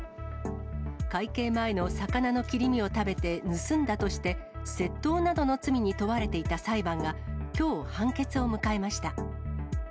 会計前の魚の切り身を食べて盗んだとして、窃盗などの罪に問われていた裁判がきょう、判決を迎えました。